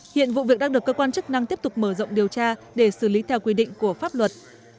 hiện vụ việc đang được cơ quan chức năng tiếp tục mở rộng điều tra để xử lý theo quy định của pháp luật